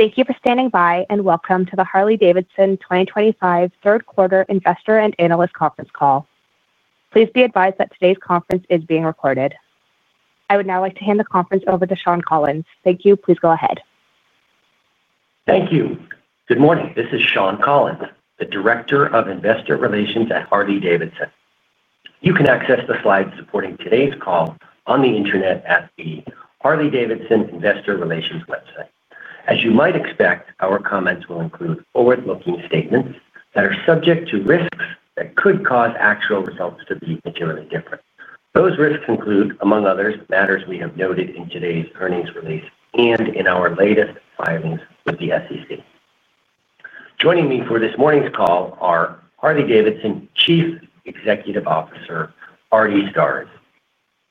Thank you for standing by and welcome to the Harley-Davidson 2025 third quarter investor and analyst conference call. Please be advised that today's conference is being recorded. I would now like to hand the conference over to Shawn Collins. Thank you. Please go ahead. Thank you. Good morning. This is Shawn Collins, the Director of Investor Relations at Harley-Davidson. You can access the slides supporting today's call on the internet at the Harley-Davidson Investor Relations website. As you might expect, our comments will include forward-looking statements that are subject to risks that could cause actual results to be materially different. Those risks include, among others, matters we have noted in today's earnings release and in our latest filings with the SEC. Joining me for this morning's call are Harley-Davidson Chief Executive Officer, Artie Starrs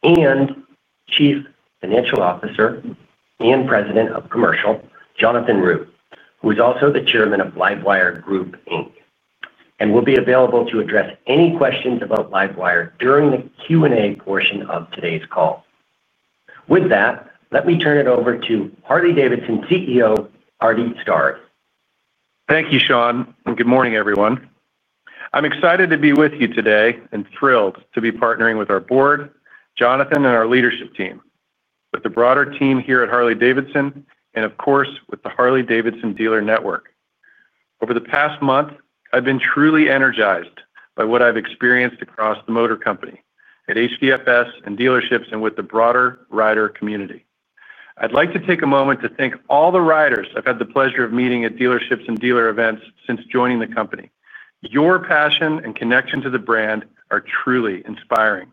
and Chief Financial Officer and President of Commercial, Jonathan Root, who is also the Chairman of LiveWire Group, Inc, and will be available to address any questions about LiveWire during the Q&A portion of today's call. With that, let me turn it over to Harley-Davidson CEO Artie Starrs. Thank you, Shawn. And good morning, everyone. I'm excited to be with you today and thrilled to be partnering with our board, Jonathan, and our leadership team, with the broader team here at Harley-Davidson, and of course, with the Harley-Davidson dealer network. Over the past month, I've been truly energized by what I've experienced across the motor company at HDFS and dealerships and with the broader rider community. I'd like to take a moment to thank all the riders I've had the pleasure of meeting at dealerships and dealer events since joining the company. Your passion and connection to the brand are truly inspiring.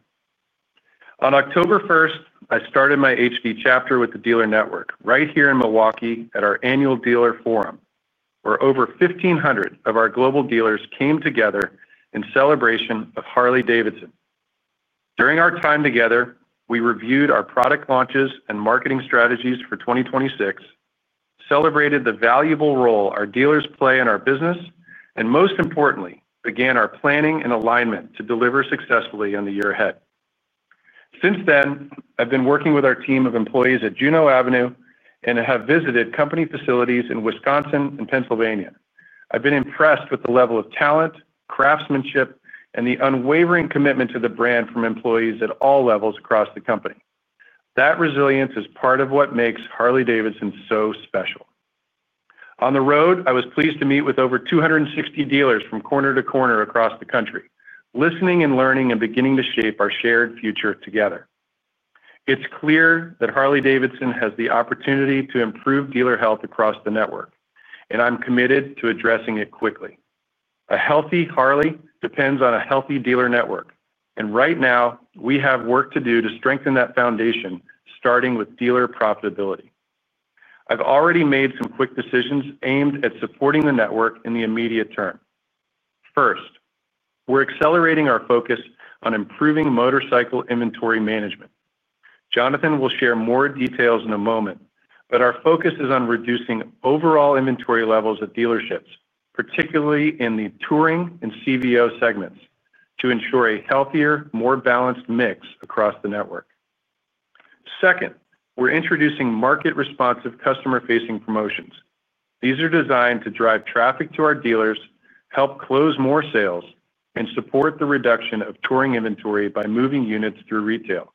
On October 1st, I started my HD chapter with the dealer network right here in Milwaukee at our annual dealer forum, where over 1,500 of our global dealers came together in celebration of Harley-Davidson. During our time together, we reviewed our product launches and marketing strategies for 2026. Celebrated the valuable role our dealers play in our business, and most importantly, began our planning and alignment to deliver successfully on the year ahead. Since then, I've been working with our team of employees at Juneau Avenue and have visited company facilities in Wisconsin and Pennsylvania. I've been impressed with the level of talent, craftsmanship, and the unwavering commitment to the brand from employees at all levels across the company. That resilience is part of what makes Harley-Davidson so special. On the road, I was pleased to meet with over 260 dealers from corner to corner across the country, listening and learning and beginning to shape our shared future together. It's clear that Harley-Davidson has the opportunity to improve dealer health across the network, and I'm committed to addressing it quickly. A healthy Harley depends on a healthy dealer network, and right now, we have work to do to strengthen that foundation, starting with dealer profitability. I've already made some quick decisions aimed at supporting the network in the immediate term. First, we're accelerating our focus on improving motorcycle inventory management. Jonathan will share more details in a moment, but our focus is on reducing overall inventory levels at dealerships, particularly in the touring and CVO segments, to ensure a healthier, more balanced mix across the network. Second, we're introducing market-responsive customer-facing promotions. These are designed to drive traffic to our dealers, help close more sales, and support the reduction of touring inventory by moving units through retail.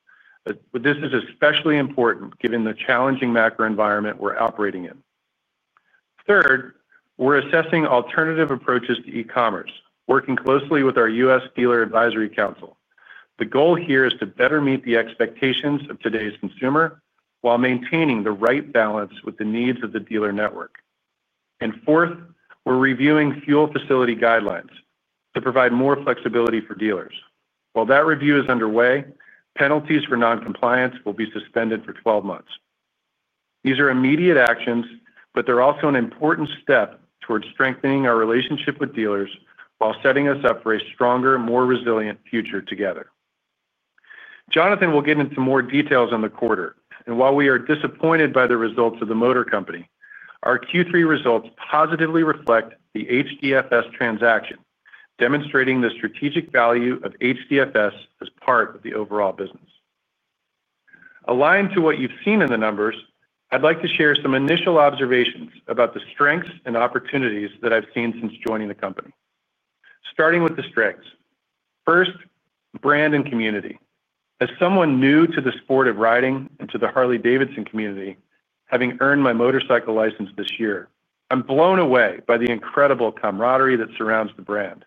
This is especially important given the challenging macro environment we're operating in. Third, we're assessing alternative approaches to e-commerce, working closely with our U.S. Dealer Advisory Council. The goal here is to better meet the expectations of today's consumer while maintaining the right balance with the needs of the dealer network. And fourth, we're reviewing fuel facility guidelines to provide more flexibility for dealers. While that review is underway, penalties for non-compliance will be suspended for 12 months. These are immediate actions, but they're also an important step toward strengthening our relationship with dealers while setting us up for a stronger, more resilient future together. Jonathan will get into more details on the quarter, and while we are disappointed by the results of the motor company, our Q3 results positively reflect the HDFS transaction, demonstrating the strategic value of HDFS as part of the overall business. Aligned to what you've seen in the numbers, I'd like to share some initial observations about the strengths and opportunities that I've seen since joining the company. Starting with the strengths. First, brand and community. As someone new to the sport of riding and to the Harley-Davidson community, having earned my motorcycle license this year, I'm blown away by the incredible camaraderie that surrounds the brand.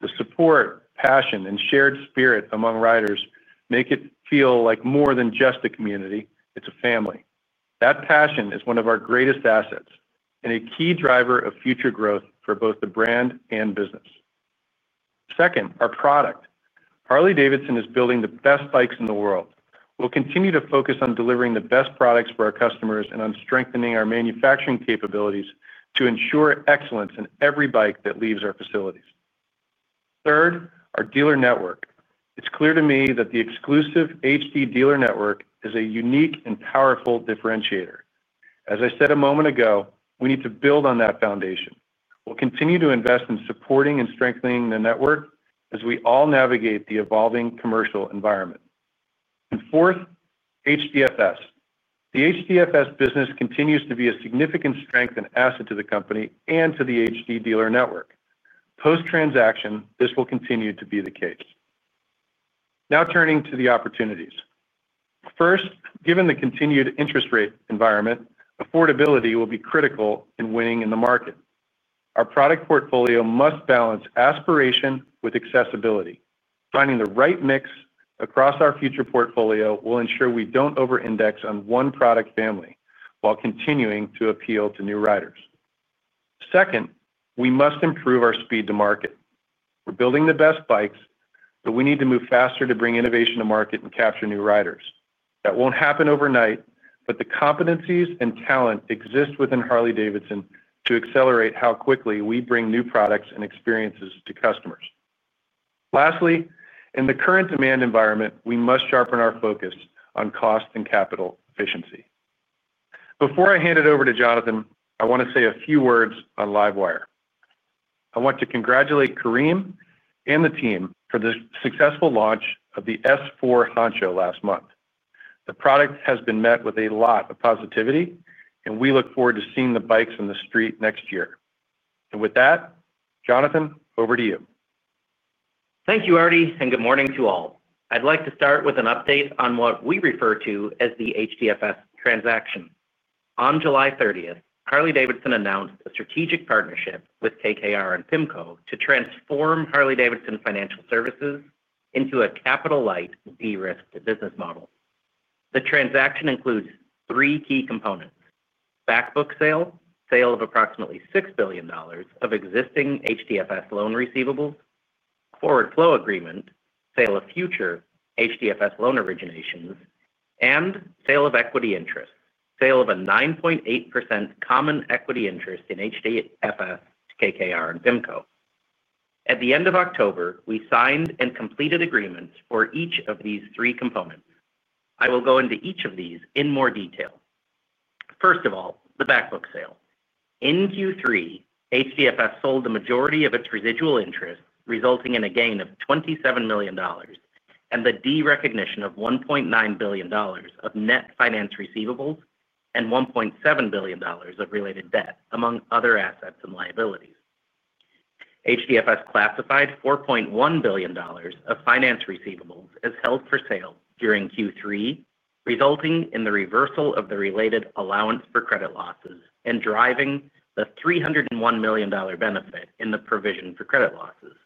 The support, passion, and shared spirit among riders make it feel like more than just a community. It's a family. That passion is one of our greatest assets and a key driver of future growth for both the brand and business. Second, our product. Harley-Davidson is building the best bikes in the world. We'll continue to focus on delivering the best products for our customers and on strengthening our manufacturing capabilities to ensure excellence in every bike that leaves our facilities. Third, our dealer network. It's clear to me that the exclusive HD dealer network is a unique and powerful differentiator. As I said a moment ago, we need to build on that foundation. We'll continue to invest in supporting and strengthening the network as we all navigate the evolving commercial environment. And fourth, HDFS. The HDFS business continues to be a significant strength and asset to the company and to the HD dealer network. Post-transaction, this will continue to be the case. Now turning to the opportunities. First, given the continued interest rate environment, affordability will be critical in winning in the market. Our product portfolio must balance aspiration with accessibility. Finding the right mix across our future portfolio will ensure we don't over-index on one product family while continuing to appeal to new riders. Second, we must improve our speed to market. We're building the best bikes, but we need to move faster to bring innovation to market and capture new riders. That won't happen overnight, but the competencies and talent exist within Harley-Davidson to accelerate how quickly we bring new products and experiences to customers. Lastly, in the current demand environment, we must sharpen our focus on cost and capital efficiency. Before I hand it over to Jonathan, I want to say a few words on LiveWire. I want to congratulate Karim and the team for the successful launch of the S4 Honcho last month. The product has been met with a lot of positivity, and we look forward to seeing the bikes on the street next year. And with that, Jonathan, over to you. Thank you, Artie, and good morning to all. I'd like to start with an update on what we refer to as the HDFS transaction. On July 30th, Harley-Davidson announced a strategic partnership with KKR and PIMCO to transform Harley-Davidson Financial Services into a capital-light, de-risked business model. The transaction includes three key components: backbook sale, sale of approximately $6 billion of existing HDFS loan receivables, forward flow agreement, sale of future HDFS loan originations, and sale of equity interests, sale of a 9.8% common equity interest in HDFS, KKR, and PIMCO. At the end of October, we signed and completed agreements for each of these three components. I will go into each of these in more detail. First of all, the backbook sale. In Q3, HDFS sold the majority of its residual interest, resulting in a gain of $27 million. And the de-recognition of $1.9 billion of net finance receivables and $1.7 billion of related debt, among other assets and liabilities. HDFS classified $4.1 billion of finance receivables as held for sale during Q3, resulting in the reversal of the related allowance for credit losses and driving the $301 million benefit in the provision for credit losses.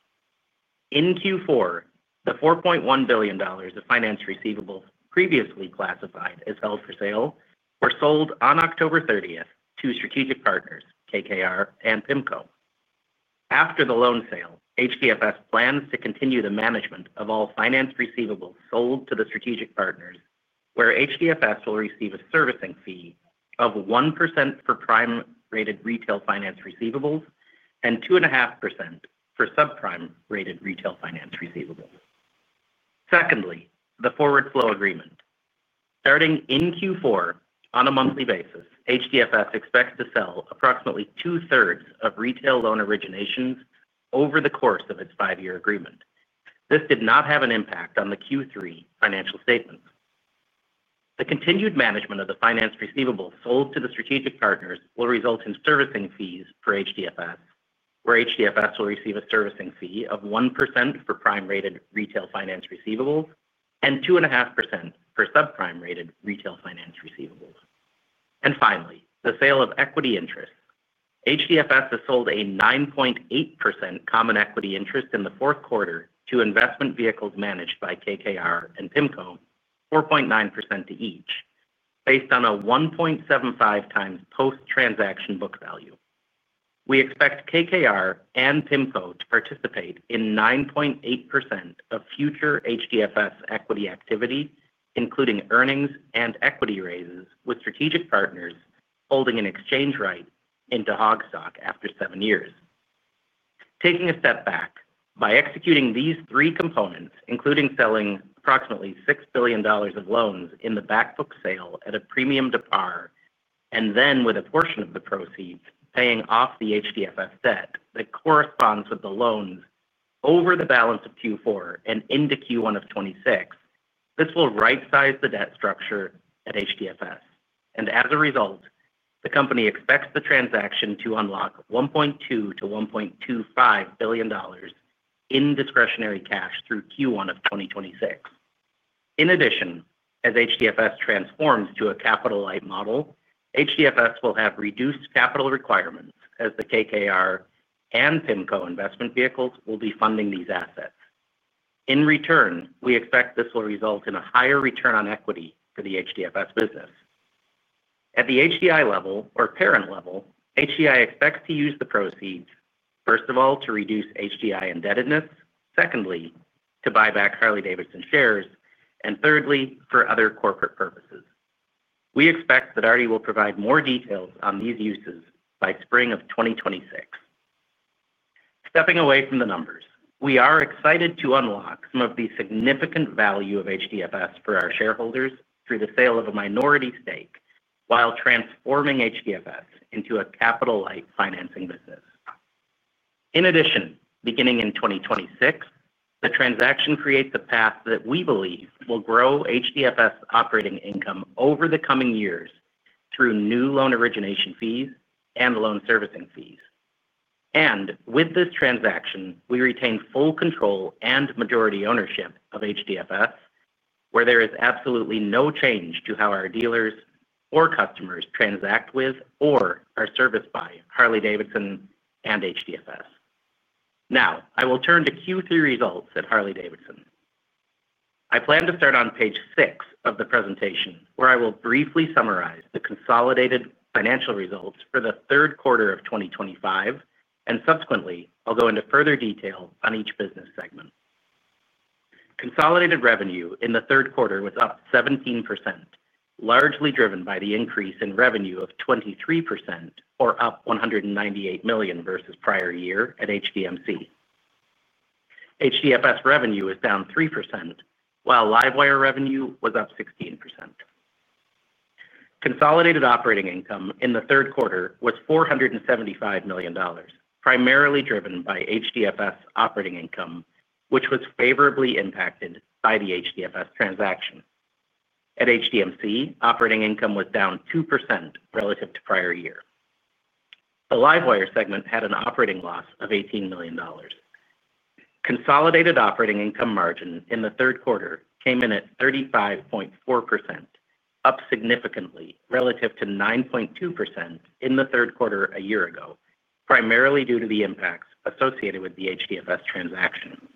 In Q4, the $4.1 billion of finance receivables previously classified as held for sale were sold on October 30th to strategic partners, KKR and PIMCO. After the loan sale, HDFS plans to continue the management of all finance receivables sold to the strategic partners, where HDFS will receive a servicing fee of 1% for prime-rated retail finance receivables and 2.5% for subprime-rated retail finance receivables. Secondly, the forward flow agreement. Starting in Q4, on a monthly basis, HDFS expects to sell approximately 2/3 of retail loan originations over the course of its five-year agreement. This did not have an impact on the Q3 financial statements. The continued management of the finance receivables sold to the strategic partners will result in servicing fees for HDFS, where HDFS will receive a servicing fee of 1% for prime-rated retail finance receivables and 2.5% for subprime-rated retail finance receivables. And finally, the sale of equity interests. HDFS has sold a 9.8% common equity interest in the fourth quarter to investment vehicles managed by KKR and PIMCO, 4.9% to each. Based on a 1.75x post-transaction book value. We expect KKR and PIMCO to participate in 9.8% of future HDFS equity activity, including earnings and equity raises with strategic partners holding an exchange rate into HOG stock after seven years. Taking a step back, by executing these three components, including selling approximately $6 billion of loans in the backbook sale at a premium to par, and then with a portion of the proceeds paying off the HDFS debt that corresponds with the loans over the balance of Q4 and into Q1 of 2026, this will right-size the debt structure at HDFS. And as a result, the company expects the transaction to unlock $1.2 billon-$1.25 billion in discretionary cash through Q1 of 2026. In addition, as HDFS transforms to a capital-light model, HDFS will have reduced capital requirements as the KKR and PIMCO investment vehicles will be funding these assets. In return, we expect this will result in a higher return on equity for the HDFS business. At the HDI level or parent level, HDI expects to use the proceeds, first of all, to reduce HDI indebtedness, secondly, to buy back Harley-Davidson shares, and thirdly, for other corporate purposes. We expect that Artie will provide more details on these uses by spring of 2026. Stepping away from the numbers, we are excited to unlock some of the significant value of HDFS for our shareholders through the sale of a minority stake while transforming HDFS into a capital-light financing business. In addition, beginning in 2026, the transaction creates a path that we believe will grow HDFS operating income over the coming years through new loan origination fees and loan servicing fees. And with this transaction, we retain full control and majority ownership of HDFS, where there is absolutely no change to how our dealers or customers transact with or are serviced by Harley-Davidson and HDFS. Now, I will turn to Q3 results at Harley-Davidson. I plan to start on page six of the presentation, where I will briefly summarize the consolidated financial results for the third quarter of 2025, and subsequently, I'll go into further detail on each business segment. Consolidated revenue in the third quarter was up 17%. Largely driven by the increase in revenue of 23%, or up $198 million versus prior year at HDMC. HDFS revenue is down 3%, while LiveWire revenue was up 16%. Consolidated operating income in the third quarter was $475 million, primarily driven by HDFS operating income, which was favorably impacted by the HDFS transaction. At HDMC, operating income was down 2% relative to prior year. The LiveWire segment had an operating loss of $18 million. Consolidated operating income margin in the third quarter came in at 35.4%. Up significantly relative to 9.2% in the third quarter a year ago, primarily due to the impacts associated with the HDFS transaction.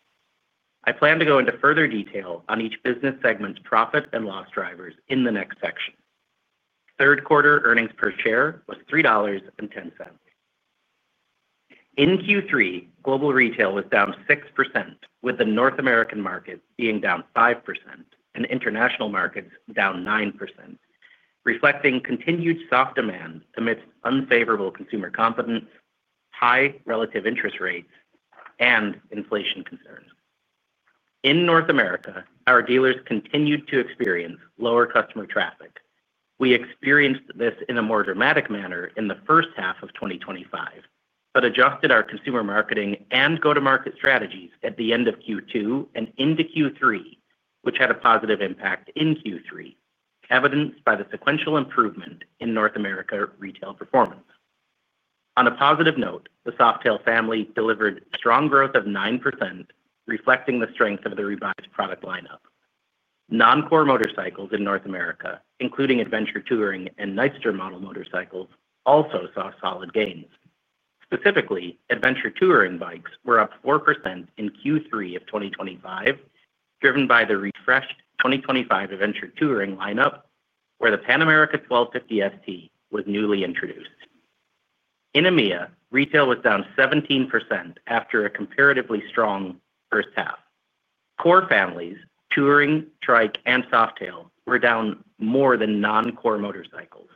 I plan to go into further detail on each business segment's profit and loss drivers in the next section. Third quarter earnings per share was $3.10. In Q3, global retail was down 6%, with the North American market being down 5% and international markets down 9%, reflecting continued soft demand amidst unfavorable consumer confidence, high relative interest rates, and inflation concerns. In North America, our dealers continued to experience lower customer traffic. We experienced this in a more dramatic manner in the first half of 2025, but adjusted our consumer marketing and go-to-market strategies at the end of Q2 and into Q3, which had a positive impact in Q3, evidenced by the sequential improvement in North America retail performance. On a positive note, the Softail family delivered strong growth of 9%, reflecting the strength of the revised product lineup. Non-core motorcycles in North America, including Adventure Touring and Nightster model motorcycles, also saw solid gains. Specifically, Adventure Touring bikes were up 4% in Q3 of 2025, driven by the refreshed 2025 Adventure Touring lineup, where the Pan America 1250 ST was newly introduced. In EMEA, retail was down 17% after a comparatively strong first half. Core families, Touring, Trike, and Softail were down more than non-core motorcycles,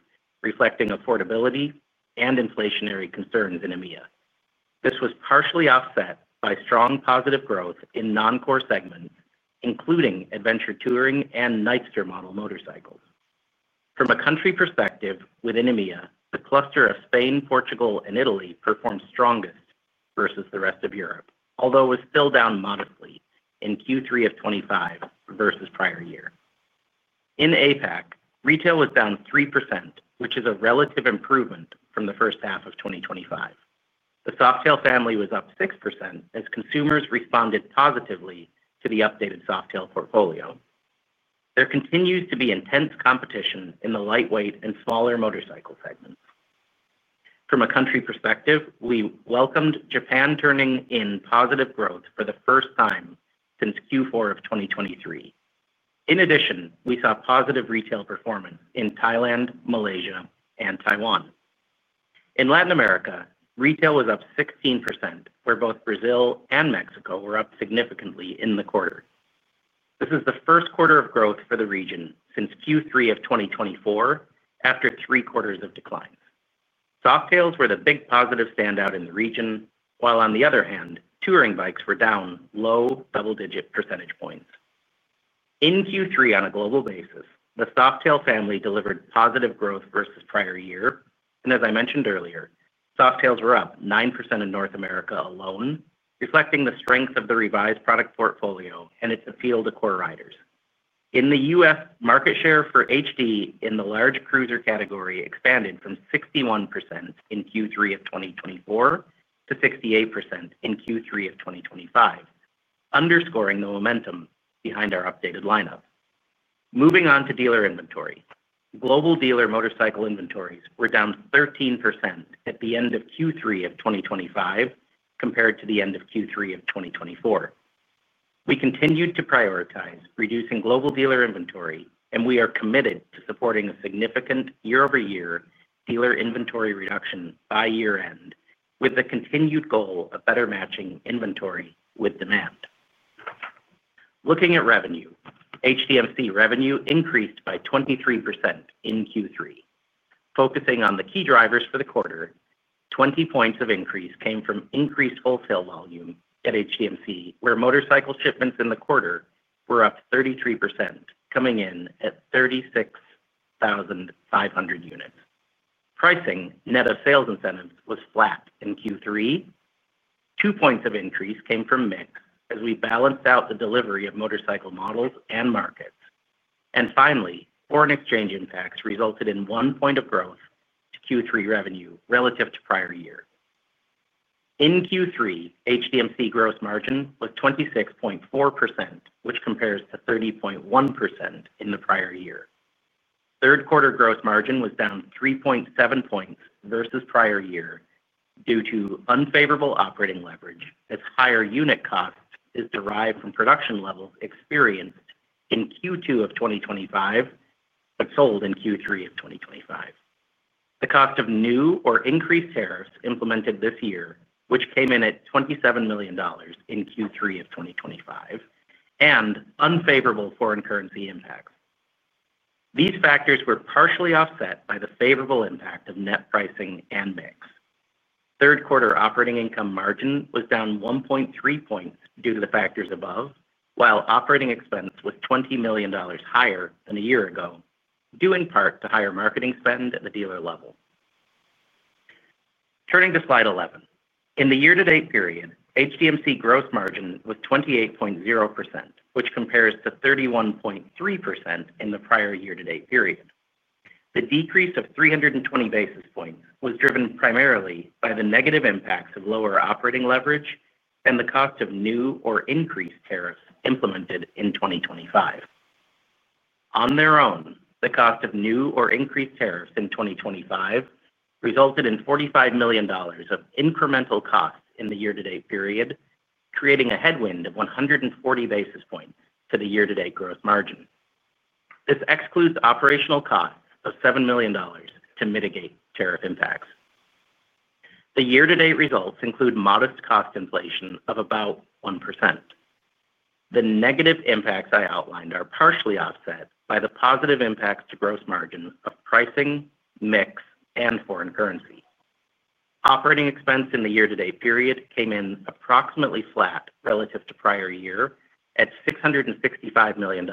reflecting affordability and inflationary concerns in EMEA. This was partially offset by strong positive growth in non-core segments, including Adventure Touring and Nightster model motorcycles. From a country perspective, within EMEA, the cluster of Spain, Portugal, and Italy performed strongest versus the rest of Europe, although it was still down modestly in Q3 of 2025 versus prior year. In APAC, retail was down 3%, which is a relative improvement from the first half of 2025. The Softail family was up 6% as consumers responded positively to the updated Softail portfolio. There continues to be intense competition in the lightweight and smaller motorcycle segments. From a country perspective, we welcomed Japan turning in positive growth for the first time since Q4 of 2023. In addition, we saw positive retail performance in Thailand, Malaysia, and Taiwan. In Latin America, retail was up 16%, where both Brazil and Mexico were up significantly in the quarter. This is the first quarter of growth for the region since Q3 of 2024, after three quarters of declines. Softails were the big positive standout in the region, while on the other hand, Touring bikes were down low double-digit percentage points. In Q3, on a global basis, the Softail family delivered positive growth versus prior year. And as I mentioned earlier, Softails were up 9% in North America alone, reflecting the strength of the revised product portfolio and its appeal to core riders. In the U.S., market share for HD in the large cruiser category expanded from 61% in Q3 of 2024 to 68% in Q3 of 2025. Underscoring the momentum behind our updated lineup. Moving on to dealer inventory, global dealer motorcycle inventories were down 13% at the end of Q3 of 2025 compared to the end of Q3 of 2024. We continued to prioritize reducing global dealer inventory, and we are committed to supporting a significant year-over-year dealer inventory reduction by year-end, with the continued goal of better matching inventory with demand. Looking at revenue, HDMC revenue increased by 23% in Q3. Focusing on the key drivers for the quarter, 20 points of increase came from increased wholesale volume at HDMC, where motorcycle shipments in the quarter were up 33%, coming in at 36,500 units. Pricing net of sales incentives was flat in Q3. Two points of increase came from mix as we balanced out the delivery of motorcycle models and markets. And finally, foreign exchange impacts resulted in one point of growth to Q3 revenue relative to prior year. In Q3, HDMC gross margin was 26.4%, which compares to 30.1% in the prior year. Third quarter gross margin was down 3.7 points versus prior year due to unfavorable operating leverage, as higher unit cost is derived from production levels experienced in Q2 of 2025 but sold in Q3 of 2025, the cost of new or increased tariffs implemented this year, which came in at $27 million in Q3 of 2025, and unfavorable foreign currency impacts. These factors were partially offset by the favorable impact of net pricing and mix. Third quarter operating income margin was down 1.3 points due to the factors above, while operating expense was $20 million higher than a year ago, due in part to higher marketing spend at the dealer level. Turning to slide 11, in the year-to-date period, HDMC gross margin was 28.0%, which compares to 31.3% in the prior year-to-date period. The decrease of 320 basis points was driven primarily by the negative impacts of lower operating leverage and the cost of new or increased tariffs implemented in 2025. On their own, the cost of new or increased tariffs in 2025 resulted in $45 million of incremental costs in the year-to-date period, creating a headwind of 140 basis points to the year-to-date gross margin. This excludes operational costs of $7 million to mitigate tariff impacts. The year-to-date results include modest cost inflation of about 1%. The negative impacts I outlined are partially offset by the positive impacts to gross margins of pricing, mix, and foreign currency. Operating expense in the year-to-date period came in approximately flat relative to prior year at $665 million,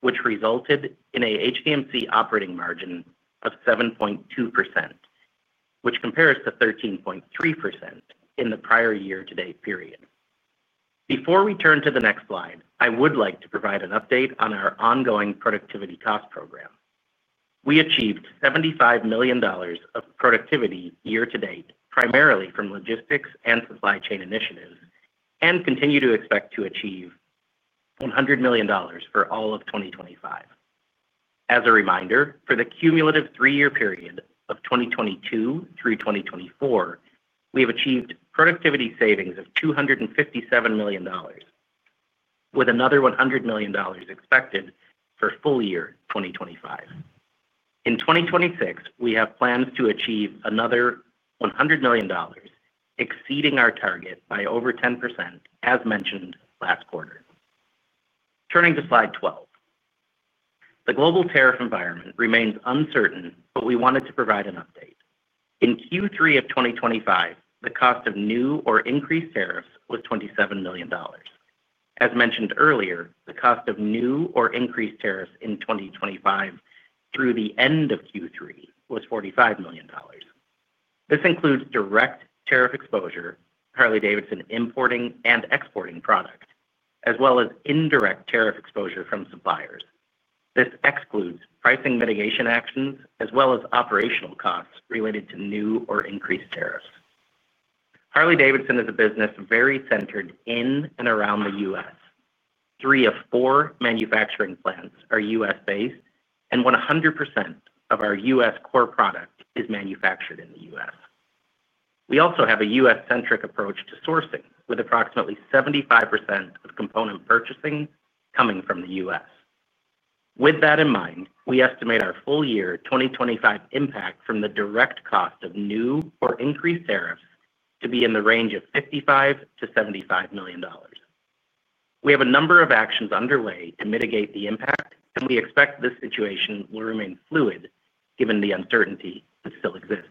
which resulted in an HDMC operating margin of 7.2%, which compares to 13.3% in the prior year-to-date period. Before we turn to the next slide, I would like to provide an update on our ongoing productivity cost program. We achieved $75 million of productivity year-to-date, primarily from logistics and supply chain initiatives, and continue to expect to achieve $100 million for all of 2025. As a reminder, for the cumulative three-year period of 2022 through 2024, we have achieved productivity savings of $257 million, with another $100 million expected for full year 2025. In 2026, we have plans to achieve another $100 million, exceeding our target by over 10%, as mentioned last quarter. Turning to slide 12. The global tariff environment remains uncertain, but we wanted to provide an update. In Q3 of 2025, the cost of new or increased tariffs was $27 million. As mentioned earlier, the cost of new or increased tariffs in 2025 through the end of Q3 was $45 million. This includes direct tariff exposure, Harley-Davidson importing and exporting product, as well as indirect tariff exposure from suppliers. This excludes pricing mitigation actions as well as operational costs related to new or increased tariffs. Harley-Davidson is a business very centered in and around the U.S. Three of four manufacturing plants are U.S.-based, and 100% of our U.S. core product is manufactured in the U.S. We also have a U.S.-centric approach to sourcing, with approximately 75% of component purchasing coming from the U.S. With that in mind, we estimate our full year 2025 impact from the direct cost of new or increased tariffs to be in the range of $55 million-$75 million. We have a number of actions underway to mitigate the impact, and we expect this situation will remain fluid given the uncertainty that still exists.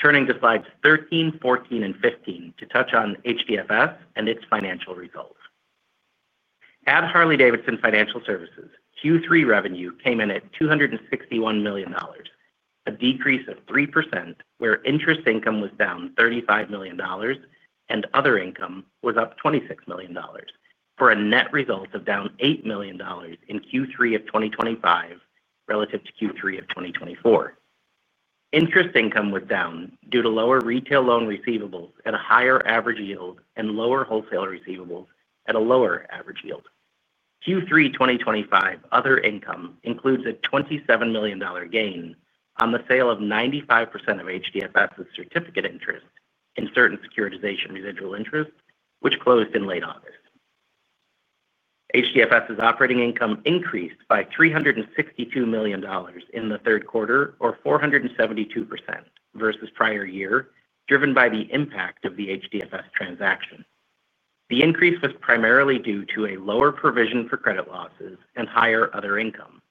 Turning to slides 13, 14, and 15 to touch on HDFS and its financial results. At Harley-Davidson Financial Services, Q3 revenue came in at $261 million, a decrease of 3%, where interest income was down $35 million, and other income was up $26 million, for a net result of down $8 million in Q3 of 2025 relative to Q3 of 2024. Interest income was down due to lower retail loan receivables at a higher average yield and lower wholesale receivables at a lower average yield. Q3 2025 other income includes a $27 million gain on the sale of 95% of HDFS's certificate interest in certain securitization residual interest, which closed in late August. HDFS's operating income increased by $362 million in the third quarter, or 472% versus prior year, driven by the impact of the HDFS transaction. The increase was primarily due to a lower provision for credit losses and higher other income,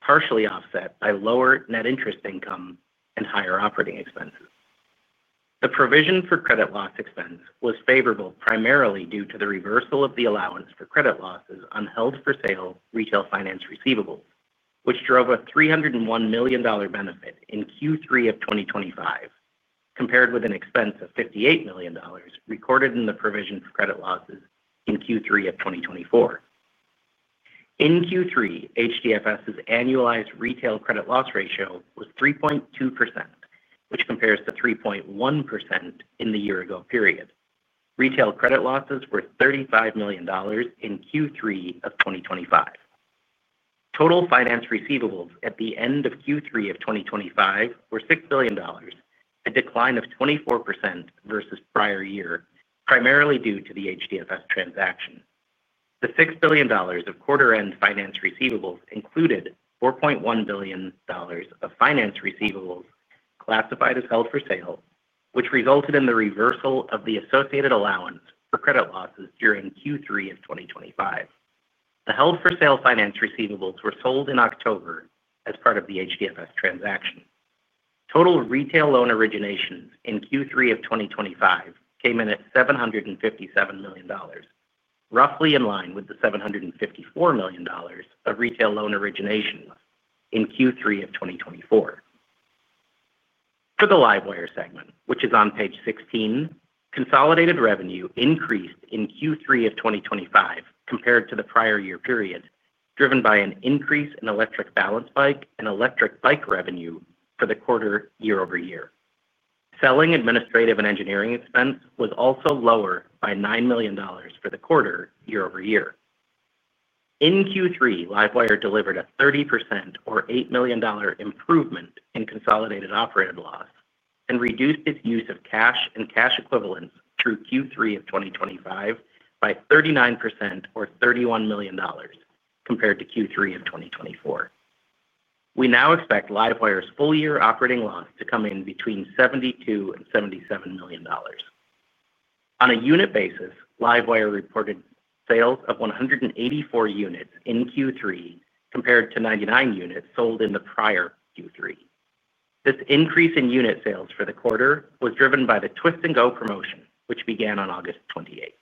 partially offset by lower net interest income and higher operating expenses. The provision for credit loss expense was favorable primarily due to the reversal of the allowance for credit losses on held-for-sale retail finance receivables, which drove a $301 million benefit in Q3 of 2025, compared with an expense of $58 million recorded in the provision for credit losses in Q3 of 2024. In Q3, HDFS's annualized retail credit loss ratio was 3.2%, which compares to 3.1% in the year-ago period. Retail credit losses were $35 million in Q3 of 2025. Total finance receivables at the end of Q3 of 2025 were $6 billion, a decline of 24% versus prior year, primarily due to the HDFS transaction. The $6 billion of quarter-end finance receivables included $4.1 billion of finance receivables classified as held-for-sale, which resulted in the reversal of the associated allowance for credit losses during Q3 of 2025. The held-for-sale finance receivables were sold in October as part of the HDFS transaction. Total retail loan originations in Q3 of 2025 came in at $757 million, roughly in line with the $754 million of retail loan originations in Q3 of 2024. For the LiveWire segment, which is on page 16, consolidated revenue increased in Q3 of 2025 compared to the prior year period, driven by an increase in electric balance bike and electric bike revenue for the quarter year-over-year. Selling administrative and engineering expense was also lower by $9 million for the quarter year-over-year. In Q3, LiveWire delivered a 30%, or $8 million, improvement in consolidated operating loss and reduced its use of cash and cash equivalents through Q3 of 2025 by 39%, or $31 million, compared to Q3 of 2024. We now expect LiveWire's full-year operating loss to come in between $72 million-$77 million. On a unit basis, LiveWire reported sales of 184 units in Q3 compared to 99 units sold in the prior Q3. This increase in unit sales for the quarter was driven by the Twist and Go promotion, which began on August 28th.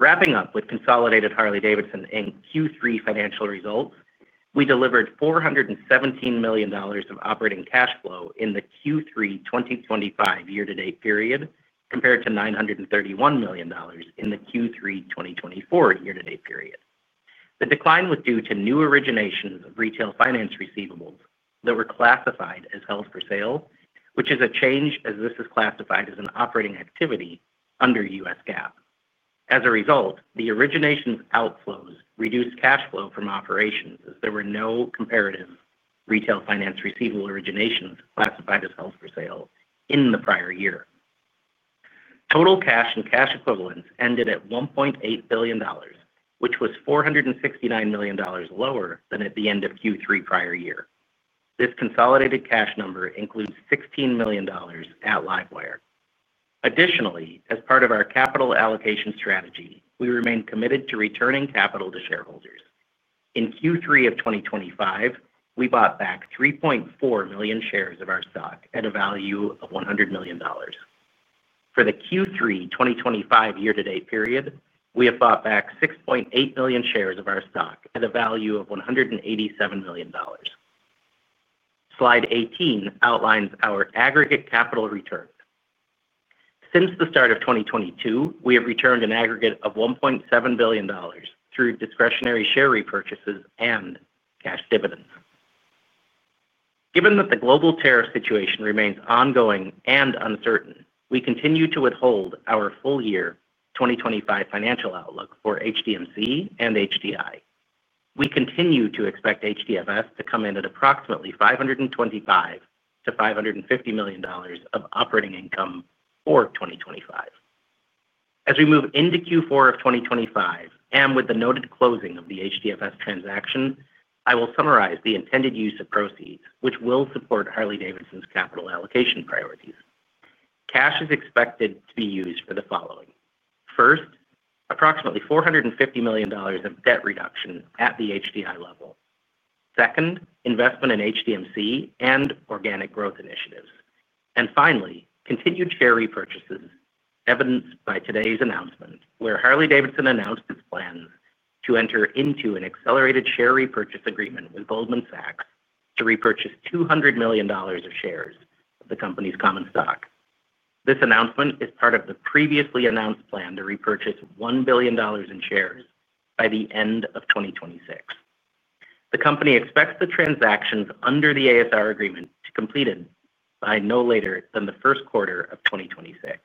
Wrapping up with consolidated Harley-Davidson and Q3 financial results, we delivered $417 million of operating cash flow in the Q3 2025 year-to-date period compared to $931 million in the Q3 2024 year-to-date period. The decline was due to new originations of retail finance receivables that were classified as held-for-sale, which is a change as this is classified as an operating activity under U.S. GAAP. As a result, the originations outflows reduced cash flow from operations as there were no comparative retail finance receivable originations classified as held-for-sale in the prior year. Total cash and cash equivalents ended at $1.8 billion, which was $469 million lower than at the end of Q3 prior year. This consolidated cash number includes $16 million at LiveWire. Additionally, as part of our capital allocation strategy, we remain committed to returning capital to shareholders. In Q3 of 2025, we bought back 3.4 million shares of our stock at a value of $100 million. For the Q3 2025 year-to-date period, we have bought back 6.8 million shares of our stock at a value of $187 million. Slide 18 outlines our aggregate capital return. Since the start of 2022, we have returned an aggregate of $1.7 billion through discretionary share repurchases and cash dividends. Given that the global tariff situation remains ongoing and uncertain, we continue to withhold our full year 2025 financial outlook for HDMC and HDI. We continue to expect HDFS to come in at approximately $525 million-$550 million of operating income for 2025. As we move into Q4 of 2025 and with the noted closing of the HDFS transaction, I will summarize the intended use of proceeds, which will support Harley-Davidson's capital allocation priorities. Cash is expected to be used for the following. First, approximately $450 million of debt reduction at the HDI level. Second, investment in HDMC and organic growth initiatives. And finally, continued share repurchases evidenced by today's announcement where Harley-Davidson announced its plans to enter into an accelerated share repurchase agreement with Goldman Sachs to repurchase $200 million of shares of the company's common stock. This announcement is part of the previously announced plan to repurchase $1 billion in shares by the end of 2026. The company expects the transactions under the ASR agreement to complete by no later than the first quarter of 2026.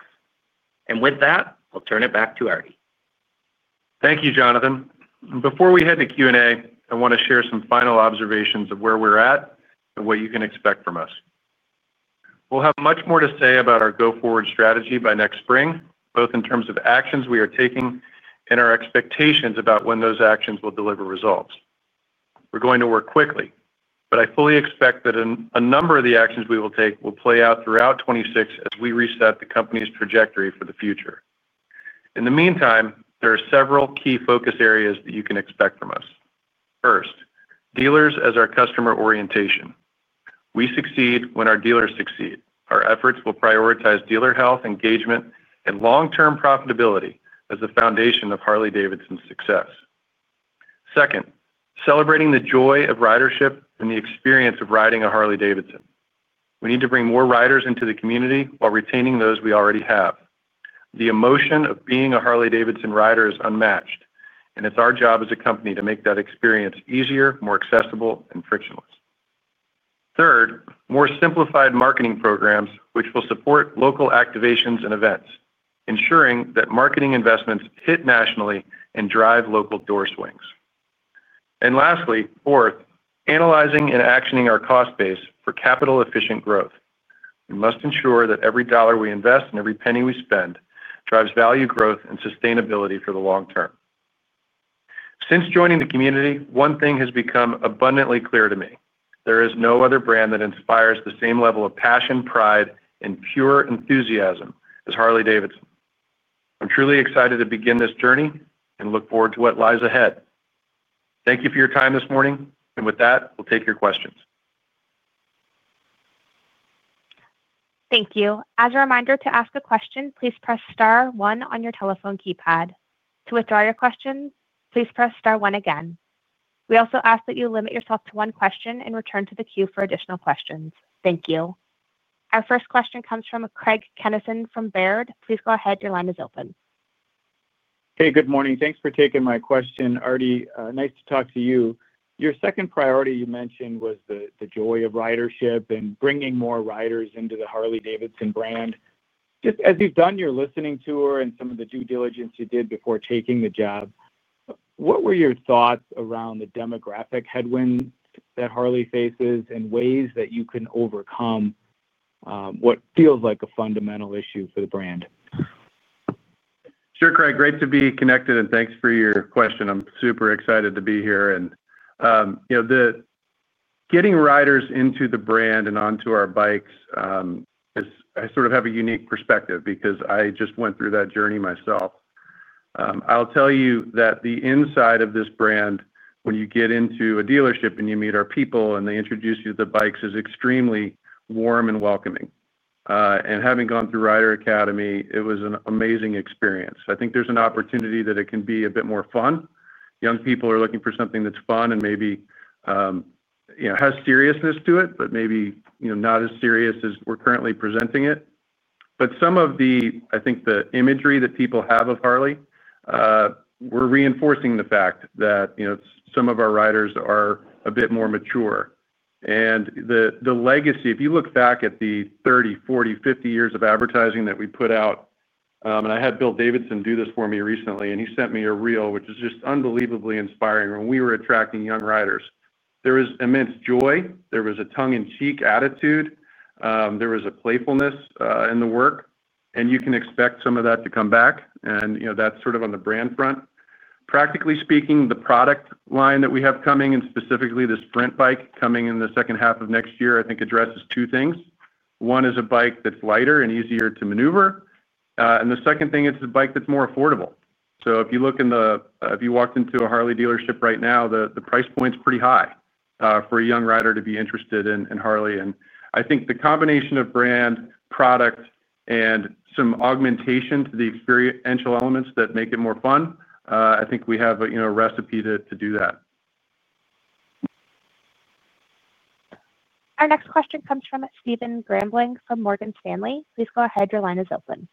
And with that, I'll turn it back to Artie. Thank you, Jonathan. Before we head to Q&A, I want to share some final observations of where we're at and what you can expect from us. We'll have much more to say about our go-forward strategy by next spring, both in terms of actions we are taking and our expectations about when those actions will deliver results. We're going to work quickly, but I fully expect that a number of the actions we will take will play out throughout 2026 as we reset the company's trajectory for the future. In the meantime, there are several key focus areas that you can expect from us. First, dealers as our customer orientation. We succeed when our dealers succeed. Our efforts will prioritize dealer health, engagement, and long-term profitability as the foundation of Harley-Davidson's success. Second, celebrating the joy of ridership and the experience of riding a Harley-Davidson. We need to bring more riders into the community while retaining those we already have. The emotion of being a Harley-Davidson rider is unmatched, and it's our job as a company to make that experience easier, more accessible, and frictionless. Third, more simplified marketing programs, which will support local activations and events, ensuring that marketing investments hit nationally and drive local door swings. And lastly, fourth, analyzing and actioning our cost base for capital-efficient growth. We must ensure that every dollar we invest and every penny we spend drives value growth and sustainability for the long term. Since joining the community, one thing has become abundantly clear to me. There is no other brand that inspires the same level of passion, pride, and pure enthusiasm as Harley-Davidson. I'm truly excited to begin this journey and look forward to what lies ahead. Thank you for your time this morning. And with that, we'll take your questions. Thank you. As a reminder, to ask a question, please press star one on your telephone keypad. To withdraw your question, please press star one again. We also ask that you limit yourself to one question and return to the queue for additional questions. Thank you. Our first question comes from Craig Kennison from Baird. Please go ahead. Your line is open. Hey, good morning. Thanks for taking my question, Artie. Nice to talk to you. Your second priority you mentioned was the joy of ridership and bringing more riders into the Harley-Davidson brand. Just as you've done your listening tour and some of the due diligence you did before taking the job. What were your thoughts around the demographic headwinds that Harley faces and ways that you can overcome. What feels like a fundamental issue for the brand? Sure, Craig. Great to be connected, and thanks for your question. I'm super excited to be here. And. Getting riders into the brand and onto our bikes. I sort of have a unique perspective because I just went through that journey myself. I'll tell you that the inside of this brand, when you get into a dealership and you meet our people and they introduce you to the bikes, is extremely warm and welcoming. And having gone through Rider Academy, it was an amazing experience. I think there's an opportunity that it can be a bit more fun. Young people are looking for something that's fun and maybe has seriousness to it, but maybe not as serious as we're currently presenting it. But some of the, I think, the imagery that people have of Harley, we're reinforcing the fact that some of our riders are a bit more mature. And the legacy, if you look back at the 30, 40, 50 years of advertising that we put out, and I had Bill Davidson do this for me recently, and he sent me a reel, which is just unbelievably inspiring. When we were attracting young riders, there was immense joy. There was a tongue-in-cheek attitude. There was a playfulness in the work. And you can expect some of that to come back. And that's sort of on the brand front. Practically speaking, the product line that we have coming, and specifically this Sprint bike coming in the second half of next year, I think addresses two things. One is a bike that's lighter and easier to maneuver. And the second thing, it's a bike that's more affordable. So if you look in the, if you walked into a Harley dealership right now, the price point's pretty high for a young rider to be interested in Harley. And I think the combination of brand, product, and some augmentation to the experiential elements that make it more fun, I think we have a recipe to do that. Our next question comes from Stephen Grambling from Morgan Stanley. Please go ahead. Your line is open.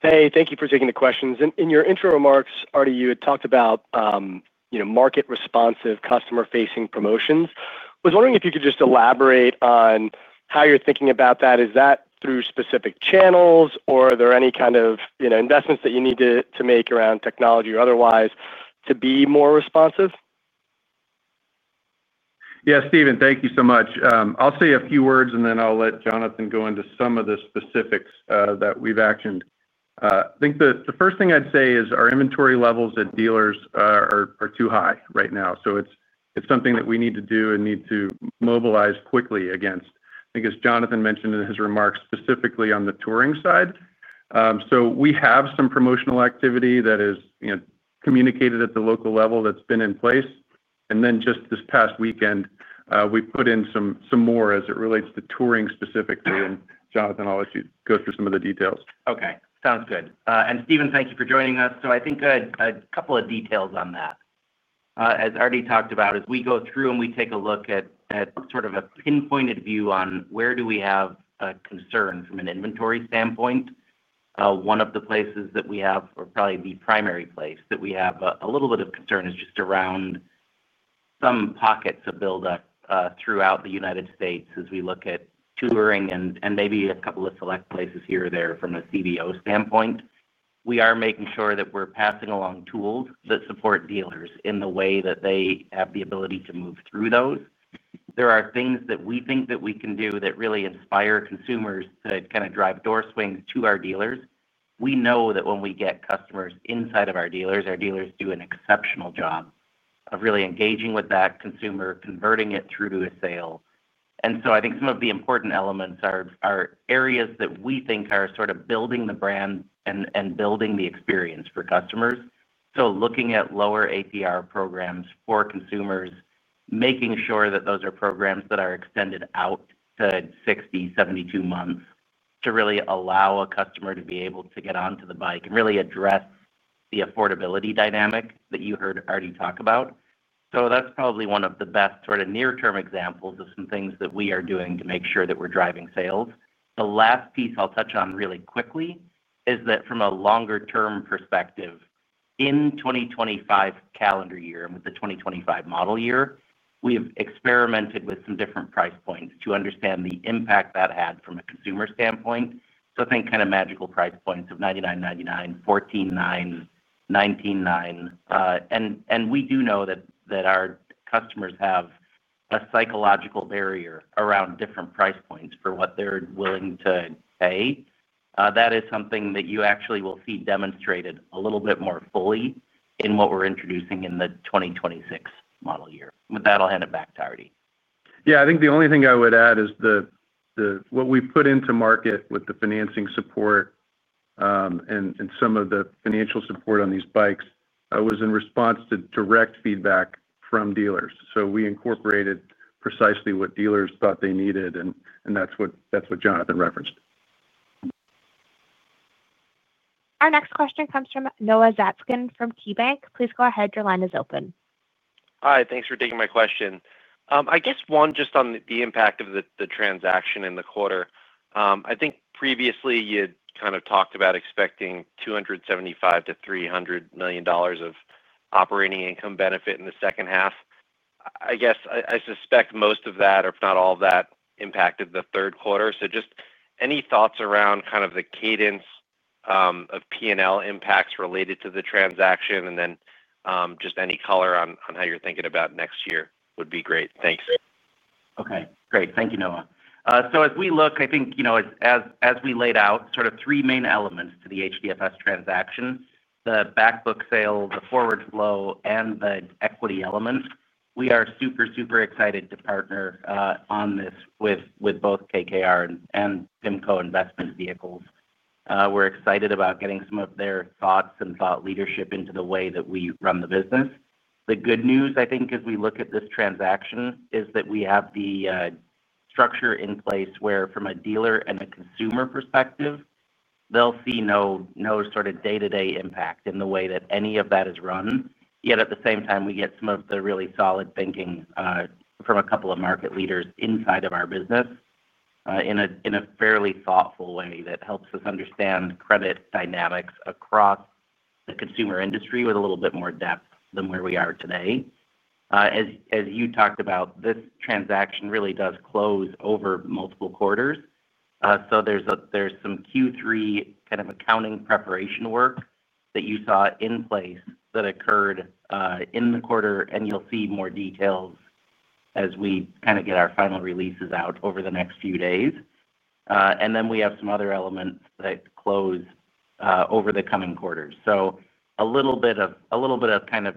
Hey, thank you for taking the questions. In your intro remarks, Artie, you had talked about market-responsive, customer-facing promotions. I was wondering if you could just elaborate on how you're thinking about that. Is that through specific channels, or are there any kind of investments that you need to make around technology or otherwise to be more responsive? Yeah, Stephen, thank you so much. I'll say a few words, and then I'll let Jonathan go into some of the specifics that we've actioned. I think the first thing I'd say is our inventory levels at dealers are too high right now. So it's something that we need to do and need to mobilize quickly against, I think, as Jonathan mentioned in his remarks, specifically on the Touring side. So we have some promotional activity that is communicated at the local level that's been in place. And then just this past weekend, we put in some more as it relates to Touring specifically. And Jonathan, I'll let you go through some of the details. Okay. Sounds good. And Stephen, thank you for joining us. So I think a couple of details on that. As Artie talked about, as we go through and we take a look at sort of a pinpointed view on where do we have a concern from an inventory standpoint. One of the places that we have, or probably the primary place that we have a little bit of concern, is just around some pockets of build-up throughout the United States as we look at touring and maybe a couple of select places here or there from a CVO standpoint. We are making sure that we're passing along tools that support dealers in the way that they have the ability to move through those. There are things that we think that we can do that really inspire consumers to kind of drive door swings to our dealers. We know that when we get customers inside of our dealers, our dealers do an exceptional job of really engaging with that consumer, converting it through to a sale. And so I think some of the important elements are areas that we think are sort of building the brand and building the experience for customers. So looking at lower APR programs for consumers, making sure that those are programs that are extended out to 60, 72 months to really allow a customer to be able to get onto the bike and really address the affordability dynamic that you heard Artie talk about. So that's probably one of the best sort of near-term examples of some things that we are doing to make sure that we're driving sales. The last piece I'll touch on really quickly is that from a longer-term perspective, in 2025 calendar year and with the 2025 model year, we have experimented with some different price points to understand the impact that had from a consumer standpoint. So I think kind of magical price points of $99.99, $14.99, $19.99. And we do know that our customers have a psychological barrier around different price points for what they're willing to pay. That is something that you actually will see demonstrated a little bit more fully in what we're introducing in the 2026 model year. With that, I'll hand it back to Artie. Yeah, I think the only thing I would add is what we put into market with the financing support. And some of the financial support on these bikes was in response to direct feedback from dealers. So we incorporated precisely what dealers thought they needed, and that's what Jonathan referenced. Our next question comes from Noah Zatzkin from KeyBank. Please go ahead. Your line is open. Hi. Thanks for taking my question. I guess one just on the impact of the transaction in the quarter. I think previously you'd kind of talked about expecting $275 million-$300 million of operating income benefit in the second half. I guess I suspect most of that, if not all of that, impacted the third quarter. So just any thoughts around kind of the cadence. Of P&L impacts related to the transaction and then just any color on how you're thinking about next year would be great. Thanks. Okay. Great. Thank you, Noah. So as we look, I think as we laid out sort of three main elements to the HDFS transaction, the backbook sale, the forward flow, and the equity element, we are super, super excited to partner on this with both KKR and PIMCO Investment Vehicles. We're excited about getting some of their thoughts and thought leadership into the way that we run the business. The good news, I think, as we look at this transaction, is that we have the structure in place where from a dealer and a consumer perspective, they'll see no sort of day-to-day impact in the way that any of that is run. Yet at the same time, we get some of the really solid thinking from a couple of market leaders inside of our business. In a fairly thoughtful way that helps us understand credit dynamics across the consumer industry with a little bit more depth than where we are today. As you talked about, this transaction really does close over multiple quarters. So there's some Q3 kind of accounting preparation work that you saw in place that occurred in the quarter, and you'll see more details as we kind of get our final releases out over the next few days. And then we have some other elements that close over the coming quarters. So a little bit of kind of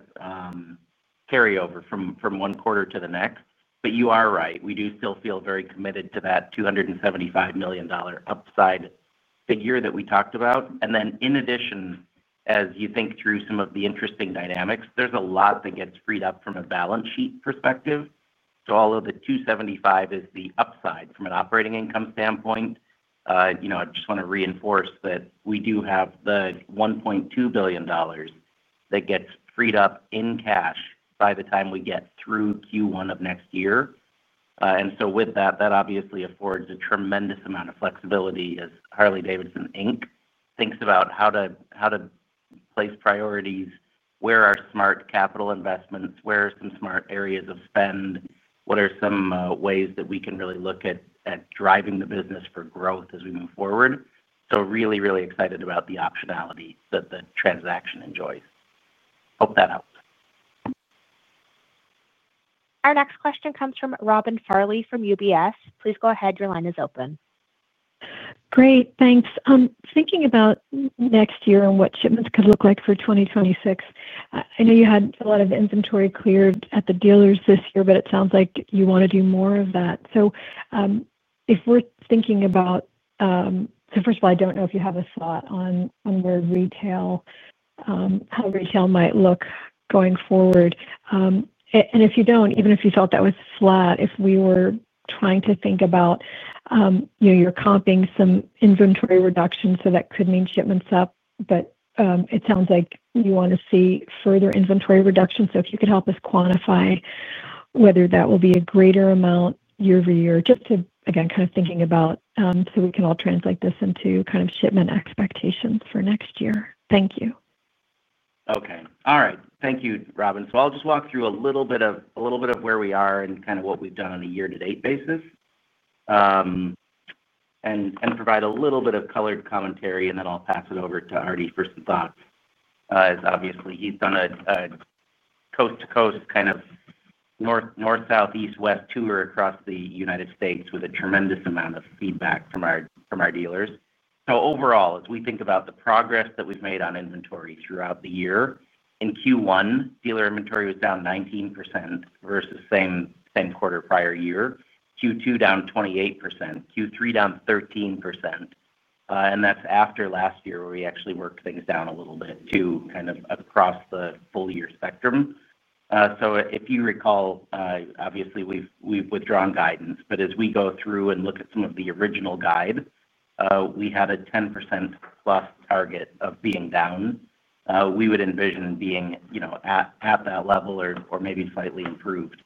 carryover from one quarter to the next. But you are right. We do still feel very committed to that $275 million upside figure that we talked about. And then in addition, as you think through some of the interesting dynamics, there's a lot that gets freed up from a balance sheet perspective. So all of the $275 million is the upside from an operating income standpoint. I just want to reinforce that we do have the $1.2 billion that gets freed up in cash by the time we get through Q1 of next year. And so with that, that obviously affords a tremendous amount of flexibility as Harley-Davidson, Inc. thinks about how to place priorities, where are smart capital investments, where are some smart areas of spend, what are some ways that we can really look at driving the business for growth as we move forward. So really, really excited about the optionality that the transaction enjoys. Hope that helps. Our next question comes from Robin Farley from UBS. Please go ahead. Your line is open. Great. Thanks. Thinking about next year and what shipments could look like for 2026, I know you had a lot of inventory cleared at the dealers this year, but it sounds like you want to do more of that. So. If we're thinking about. So first of all, I don't know if you have a thought on how retail might look going forward. If you don't, even if you thought that was flat, if we were trying to think about. You're comping some inventory reduction, so that could mean shipments up, but it sounds like you want to see further inventory reduction. So if you could help us quantify whether that will be a greater amount year over year, just to, again, kind of thinking about. So we can all translate this into kind of shipment expectations for next year. Thank you. Okay. All right. Thank you, Robin. So I'll just walk through a little bit of where we are and kind of what we've done on a year-to-date basis. And provide a little bit of colored commentary, and then I'll pass it over to Artie for some thoughts. Obviously, he's done a. Coast-to-coast kind of. North-southeast-west tour across the United States with a tremendous amount of feedback from our dealers. So overall, as we think about the progress that we've made on inventory throughout the year, in Q1, dealer inventory was down 19% versus same quarter prior year. Q2 down 28%. Q3 down 13%. And that's after last year where we actually worked things down a little bit. To kind of across the full year spectrum. So if you recall, obviously, we've withdrawn guidance. But as we go through and look at some of the original guide, we had a 10% plus target of being down. We would envision being. At that level or maybe slightly improved.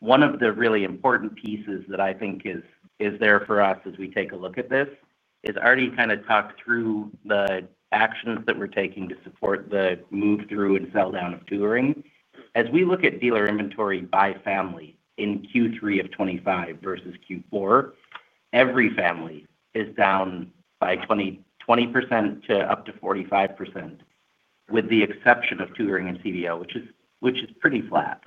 One of the really important pieces that I think is there for us as we take a look at this is Artie kind of talked through the actions that we're taking to support the move-through and sell-down of Touring. As we look at dealer inventory by family in Q3 of 2025 versus Q4, every family is down by 20%-45%. With the exception of Touring and CVO, which is pretty flat.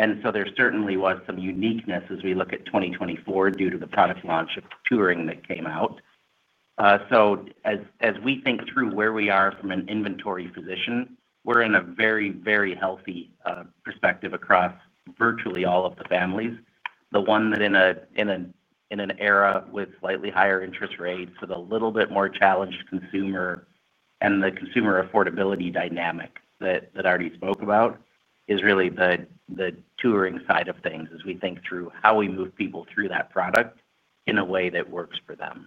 And so there certainly was some uniqueness as we look at 2024 due to the product launch of Touring that came out. So as we think through where we are from an inventory position, we're in a very, very healthy perspective across virtually all of the families. The one that in. An era with slightly higher interest rates for the little bit more challenged consumer and the consumer affordability dynamic that Artie spoke about is really the. Touring side of things as we think through how we move people through that product in a way that works for them.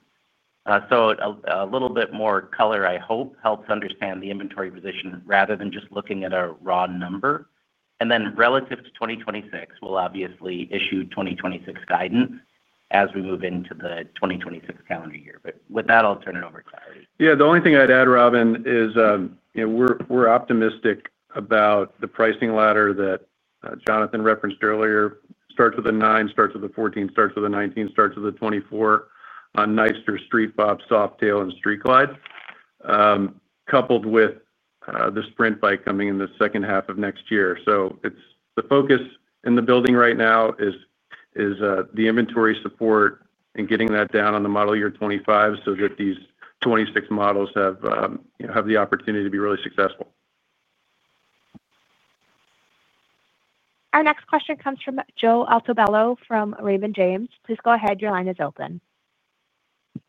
So a little bit more color, I hope, helps understand the inventory position rather than just looking at a raw number. And then relative to 2026, we'll obviously issue 2026 guidance as we move into the 2026 calendar year. But with that, I'll turn it over to Artie. Yeah. The only thing I'd add, Robin, is. We're optimistic about the pricing ladder that Jonathan referenced earlier. Starts with a nine, starts with a 14, starts with a 19, starts with a 24 on Nightster, Street Bob, Softail, and Street Glide. Coupled with the Sprint bike coming in the second half of next year. So the focus in the building right now is the inventory support and getting that down on the model year 2025 so that these 2026 models have the opportunity to be really successful. Our next question comes from Joe Altobello from Raymond James. Please go ahead. Your line is open.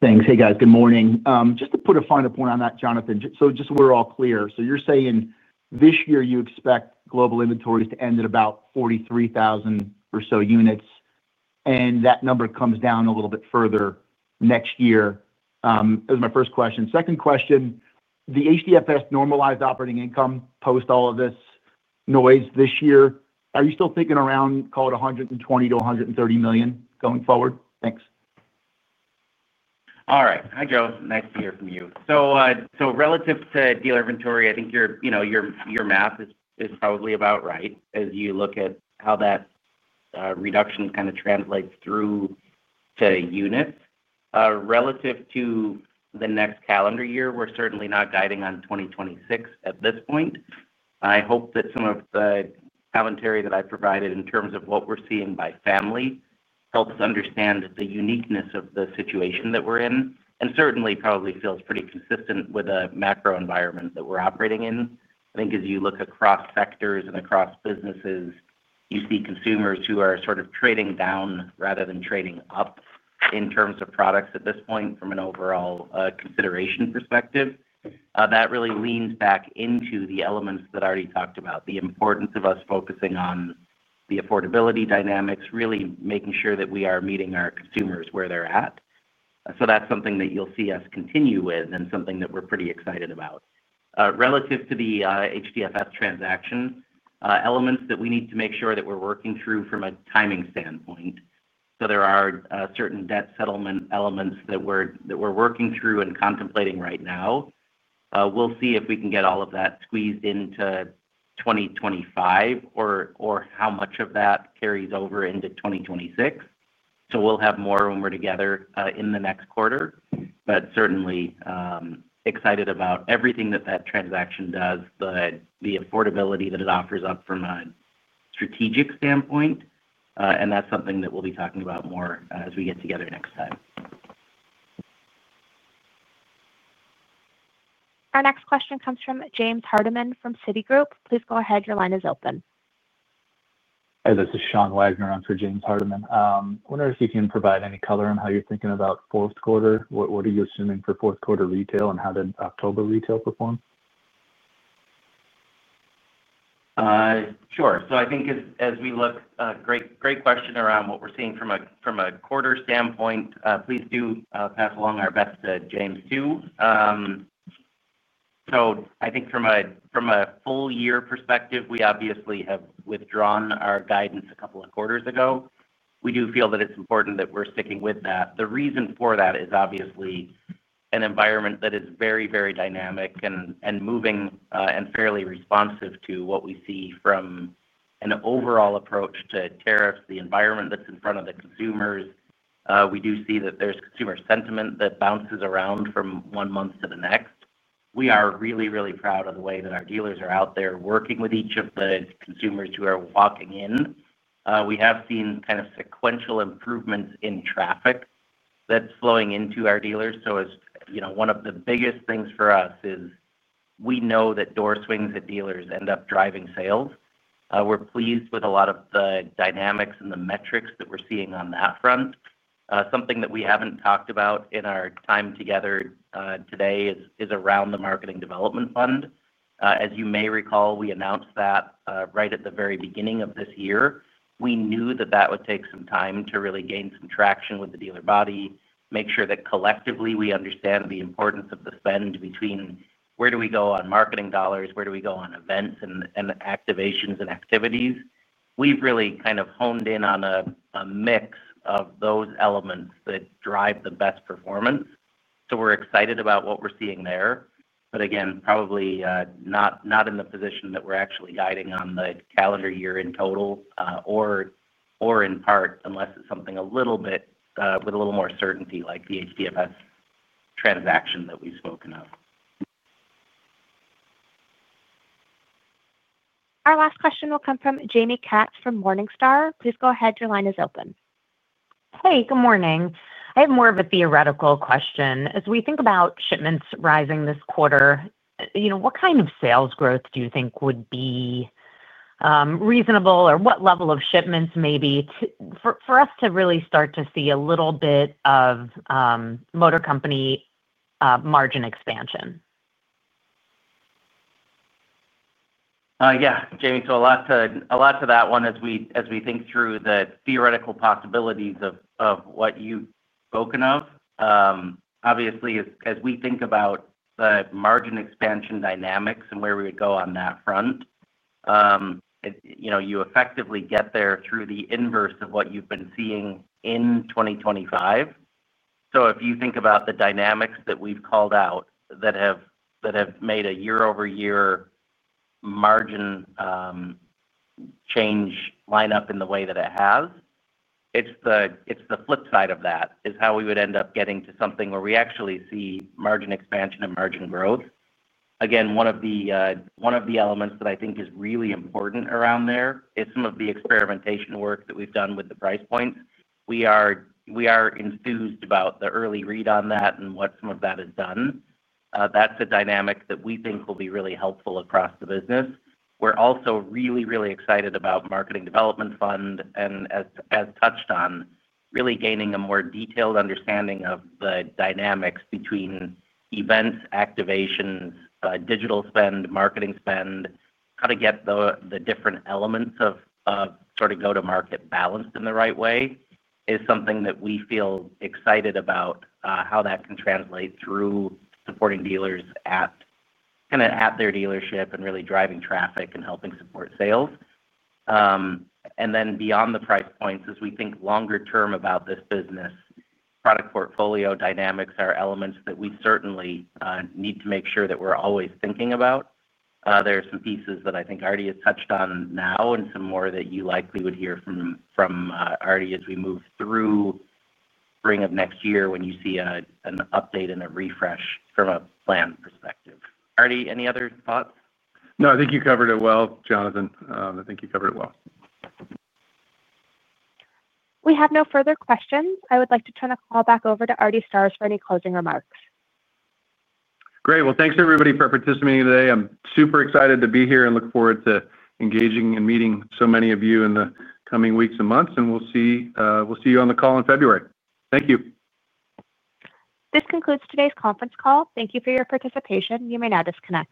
Thanks. Hey, guys. Good morning. Just to put a finer point on that, Jonathan, so just so we're all clear, so you're saying this year you expect global inventories to end at about 43,000 or so units, and that number comes down a little bit further next year. That was my first question. Second question, the HDFS normalized operating income post all of this noise this year, are you still thinking around, call it, $120 million-$130 million going forward? Thanks. All right. Hi, Joe. Nice to hear from you. So relative to dealer inventory, I think your math is probably about right as you look at how that reduction kind of translates through to units. Relative to the next calendar year, we're certainly not guiding on 2026 at this point. I hope that some of the commentary that I provided in terms of what we're seeing by family helps understand the uniqueness of the situation that we're in and certainly probably feels pretty consistent with the macro environment that we're operating in. I think as you look across sectors and across businesses, you see consumers who are sort of trading down rather than trading up in terms of products at this point from an overall consideration perspective. That really leans back into the elements that Artie talked about, the importance of us focusing on the affordability dynamics, really making sure that we are meeting our consumers where they're at. So that's something that you'll see us continue with and something that we're pretty excited about. Relative to the HDFS transaction, elements that we need to make sure that we're working through from a timing standpoint. So there are certain debt settlement elements that we're working through and contemplating right now. We'll see if we can get all of that squeezed into 2025 or how much of that carries over into 2026. So we'll have more when we're together in the next quarter, but certainly excited about everything that that transaction does, the affordability that it offers up from a strategic standpoint. And that's something that we'll be talking about more as we get together next time. Our next question comes from James Hardiman from Citigroup. Please go ahead. Your line is open. Hey, this is Sean Wagner on for James Hardiman. I wonder if you can provide any color on how you're thinking about fourth quarter. What are you assuming for fourth quarter retail and how did October retail perform? Sure. So I think as we look, great question around what we're seeing from a quarter standpoint. Please do pass along our best to James too. So I think from a full year perspective, we obviously have withdrawn our guidance a couple of quarters ago. We do feel that it's important that we're sticking with that. The reason for that is obviously an environment that is very, very dynamic and moving and fairly responsive to what we see from an overall approach to tariffs, the environment that's in front of the consumers. We do see that there's consumer sentiment that bounces around from one month to the next. We are really, really proud of the way that our dealers are out there working with each of the consumers who are walking in. We have seen kind of sequential improvements in traffic that's flowing into our dealers. So one of the biggest things for us is we know that door swings at dealers end up driving sales. We're pleased with a lot of the dynamics and the metrics that we're seeing on that front. Something that we haven't talked about in our time together today is around the marketing development fund. As you may recall, we announced that right at the very beginning of this year. We knew that that would take some time to really gain some traction with the dealer body, make sure that collectively we understand the importance of the spend between where do we go on marketing dollars, where do we go on events and activations and activities. We've really kind of honed in on a mix of those elements that drive the best performance. So we're excited about what we're seeing there. But again, probably not in the position that we're actually guiding on the calendar year in total or in part, unless it's something a little bit with a little more certainty like the HDFS transaction that we've spoken of. Our last question will come from Jaime Katz from Morningstar. Please go ahead. Your line is open. Hey, good morning. I have more of a theoretical question. As we think about shipments rising this quarter, what kind of sales growth do you think would be reasonable or what level of shipments may be for us to really start to see a little bit of motor company margin expansion? Yeah. Jaime, so a lot to that one as we think through the theoretical possibilities of what you've spoken of. Obviously, as we think about the margin expansion dynamics and where we would go on that front. You effectively get there through the inverse of what you've been seeing in 2025. So if you think about the dynamics that we've called out that have made a year-over-year margin change lineup in the way that it has, it's the flip side of that is how we would end up getting to something where we actually see margin expansion and margin growth. Again, one of the elements that I think is really important around there is some of the experimentation work that we've done with the price points. We are enthused about the early read on that and what some of that has done. That's a dynamic that we think will be really helpful across the business. We're also really, really excited about marketing development fund and, as touched on, really gaining a more detailed understanding of the dynamics between events, activations, digital spend, marketing spend, how to get the different elements of sort of go-to-market balanced in the right way is something that we feel excited about how that can translate through supporting dealers kind of at their dealership and really driving traffic and helping support sales. Then beyond the price points, as we think longer term about this business, product portfolio dynamics are elements that we certainly need to make sure that we're always thinking about. There are some pieces that I think Artie has touched on now and some more that you likely would hear from Artie as we move through spring of next year when you see an update and a refresh from a plan perspective. Artie, any other thoughts? No, I think you covered it well, Jonathan. We have no further questions. I would like to turn the call back over to Artie Starrs for any closing remarks. Great. Well, thanks everybody for participating today. I'm super excited to be here and look forward to engaging and meeting so many of you in the coming weeks and months, and we'll see you on the call in February. Thank you. This concludes today's conference call. Thank you for your participation. You may now disconnect.